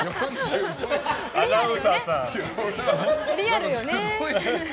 リアルよね。